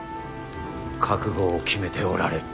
覚悟を決めておられる。